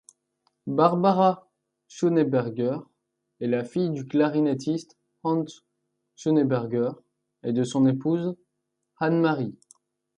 Barbara Schöneberger est la fille du clarinettiste Hans Schöneberger et de son épouse Annemarie.